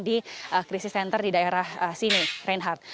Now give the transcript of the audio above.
di krisis center di daerah sini reinhardt